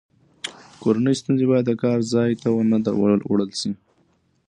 کورنۍ ستونزې باید د کار ځای ته ونه وړل شي.